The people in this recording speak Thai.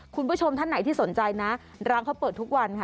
คุณผู้ชมท่านไหนที่สนใจนะร้านเขาเปิดทุกวันค่ะ